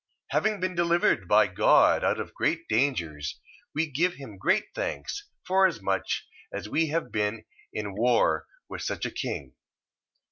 1:11. Having been delivered by God out of great dangers, we give him great thanks, forasmuch as we have been in war with such a king.